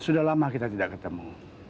sudah lama kita tidak ketemu